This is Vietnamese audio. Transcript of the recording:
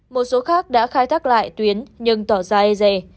một số khác đã khai thác lại tuyến nhưng tỏ ra ê dề